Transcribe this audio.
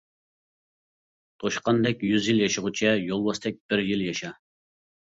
توشقاندەك يۈز يىل ياشىغۇچە، يولۋاستەك بىر يىل ياشا.